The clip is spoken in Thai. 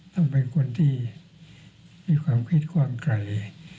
ต้องเป็นคนที่มีความคิดความไกล